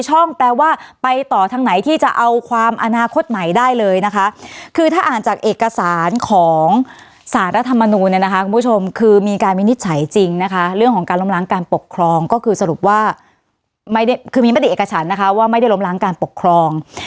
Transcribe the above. สารรัฐธรรมนูนเนี่ยนะคะคุณผู้ชมคือมีการวินิจฉัยจริงนะคะเรื่องของการล้อมล้างการปกครองก็คือสรุปว่าไม่ได้คือมีประเด็นเอกฉันนะคะว่าไม่ได้ล้อมล้างการปกครอง